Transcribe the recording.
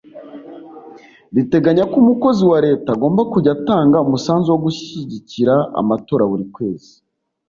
riteganya ko umukozi wa Leta agomba kujya atanga umusanzu wo gushyigikira amatora buri kwezi